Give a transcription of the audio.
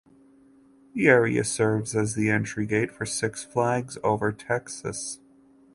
The area serves as the entry gate for Six Flags Over Texas.